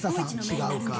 違うか。